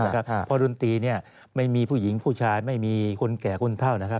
เพราะดนตรีไม่มีผู้หญิงผู้ชายไม่มีคนแก่คนเท่านะครับ